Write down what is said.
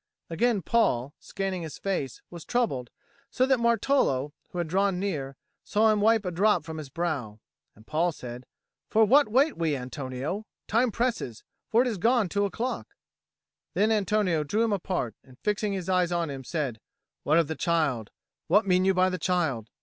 Again Paul, scanning his face, was troubled, so that Martolo, who had drawn near, saw him wipe a drop from his brow. And Paul said, "For what wait we, Antonio? Time presses, for it has gone two o'clock." Then Antonio drew him apart, and fixing his eyes on him, said, "What of the child? What mean you by the child?